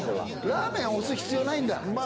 ラーメン推す必要ないんだま